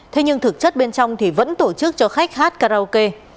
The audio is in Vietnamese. thế nhưng thực chất bên trong thì vẫn tổ chức cho khách hát karaoke